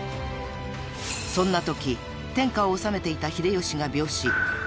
［そんなとき天下を治めていた秀吉が病死］